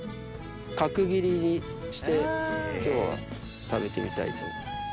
角切りにして今日は食べてみたいと思います。